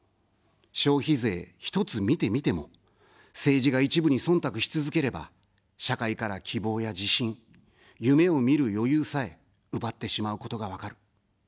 消費税ひとつ見てみても、政治が一部にそんたくし続ければ、社会から希望や自信、夢を見る余裕さえ奪ってしまうことが分かる。